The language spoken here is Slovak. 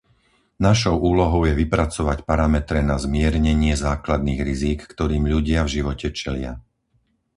Našou úlohou je vypracovať parametre na zmiernenie základných rizík, ktorým ľudia v živote čelia.